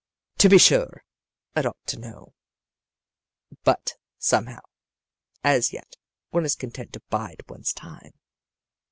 To be sure, it ought to know, but, somehow, as yet one is content to bide one's time.